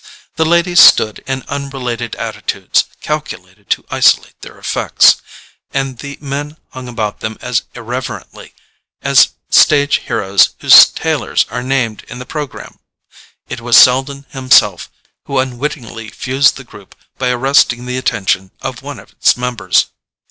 The ladies stood in unrelated attitudes calculated to isolate their effects, and the men hung about them as irrelevantly as stage heroes whose tailors are named in the programme. It was Selden himself who unwittingly fused the group by arresting the attention of one of its members.